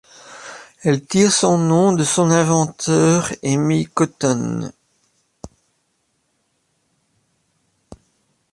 Elle tire son nom de son inventeur, Aimé Cotton.